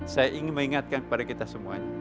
saya ingin mengingatkan kepada kita semuanya